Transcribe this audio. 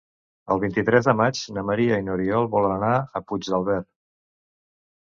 El vint-i-tres de maig na Maria i n'Oriol volen anar a Puigdàlber.